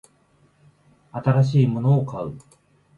新しいものを買う